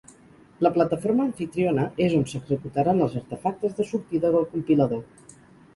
La "plataforma amfitriona" és on s'executaran els artefactes de sortida del compilador.